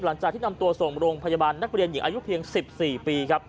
หลังจากที่นำตัวโสมรงม์พยาบาลนักเรียนอายุเพียง๑๔ปี